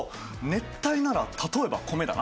熱帯なら例えば米だな。